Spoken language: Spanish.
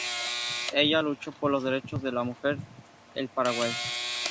Ella luchó por los derechos de la mujer el Paraguay.